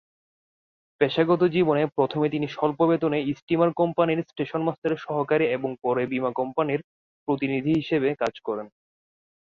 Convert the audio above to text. পেশাগত জীবনে প্রথমে তিনি স্বল্প বেতনে স্টিমার কোম্পানির স্টেশন মাস্টারের সহকারী এবং পরে বীমা কোম্পানির প্রতিনিধি হিসেবে কাজ করেন।